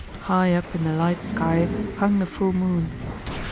High up in the light sky hung the full moon.